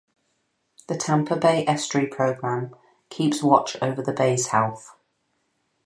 The Tampa Bay Estuary Program keeps watch over the Bay's health.